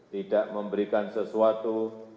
tidak memberikan sesuatu